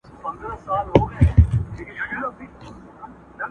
ته جرس په خوب وینه او سر دي ښوروه ورته.!